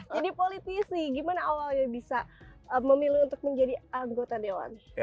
jadi politisi bagaimana awalnya bisa memilih untuk menjadi anggota dewan